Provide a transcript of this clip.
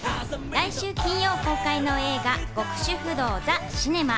来週金曜公開の映画『極主夫道ザ・シネマ』。